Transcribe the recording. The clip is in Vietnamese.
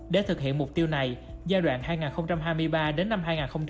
để thực hiện mục tiêu này giai đoạn hai nghìn hai mươi ba đến năm hai nghìn ba mươi